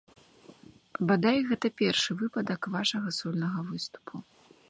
Бадай, гэта першы выпадак вашага сольнага выступу.